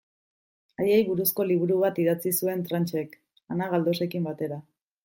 Haiei buruzko liburu bat idatzi zuen Tranchek, Ana Galdosekin batera.